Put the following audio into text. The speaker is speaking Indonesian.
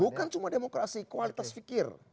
bukan cuma demokrasi kualitas fikir